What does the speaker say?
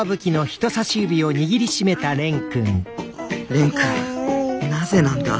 蓮くんなぜなんだ。